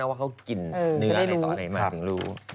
นึกออกไหมที่จะได้ดู